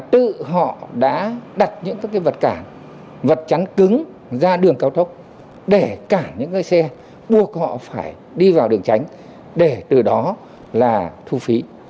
tự họ đã đặt những các cái vật cản vật chắn cứng ra đường cao tốc để cả những cái xe buộc họ phải đi vào đường tránh để từ đó là thu phí